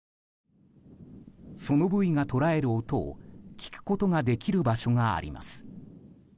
ソノブイが捉える音を聞くことができる場所があります。